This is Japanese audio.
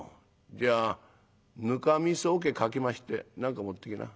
じゃあぬかみそおけかき回して何か持ってきな。